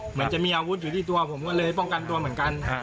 เหมือนจะมีอาวุธอยู่ที่ตัวผมก็เลยป้องกันตัวเหมือนกัน